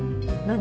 何？